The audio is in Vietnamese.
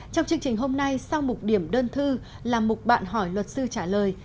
trong chương trình hôm nay sau mục điểm đơn thư là mục bạn hỏi luật sư trả lời